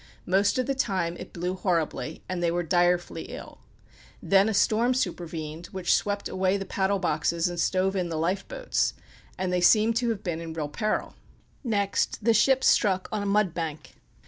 Most of the time it blew horribly, and they were direfully ill. Then a storm supervened, which swept away the paddle boxes and stove in the life boats, and they seem to have been in real peril. Next the ship struck on a mud bank.